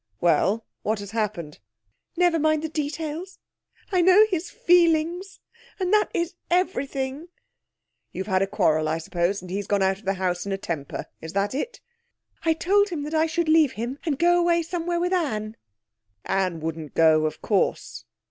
'Well, what has happened?' 'Never mind the details. I know his feelings and that is everything.' 'You've had a quarrel, I suppose, and he's gone out of the house in a temper. Is that it?' 'I told him that I should leave him and go away somewhere with Anne.' 'Anne wouldn't go, of course.'